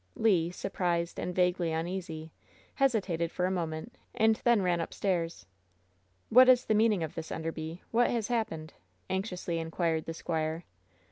Le, surprised and vaguely uneasy, hesitated for a mo ment, and then ran upstairs. "What is the meaning of this, Enderby? What has happened?'^ anxiously inquired the squire.